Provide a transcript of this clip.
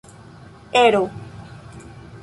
ero